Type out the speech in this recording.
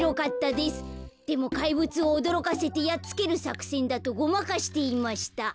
でもかいぶつをおどろかせてやっつけるさくせんだとごまかしていました」。